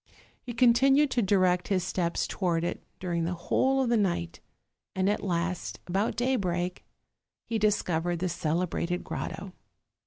He continued to direct his steps toward it during the whole of the night; and at last, about day break, he discovered the celebrated grotto.